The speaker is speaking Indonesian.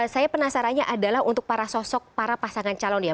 saya penasarannya adalah untuk para sosok para pasangan calon ya